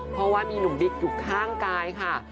เพราะว่ามีหนุ่มบิ๊กอยู่ข้างกายค่ะ